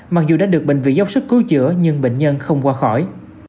mặc dù đã được bệnh viện dốc sức cứu chữa nhưng bệnh nhân không qua khỏi